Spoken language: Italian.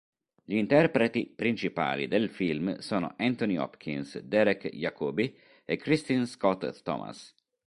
Gli interpreti principali del film sono Anthony Hopkins, Derek Jacobi e Kristin Scott Thomas.